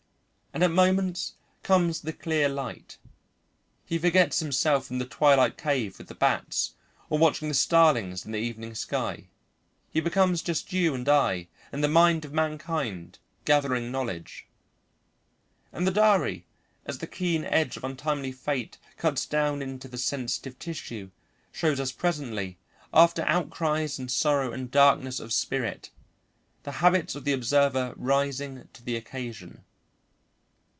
And at moments comes the clear light. He forgets himself in the twilight cave with the bats or watching the starlings in the evening sky, he becomes just you and I and the mind of mankind gathering knowledge. And the diary, as the keen edge of untimely fate cuts down into the sensitive tissue, shows us presently, after outcries and sorrow and darkness of spirit, the habits of the observer rising to the occasion.